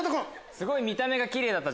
すごい見た目がキレイだった。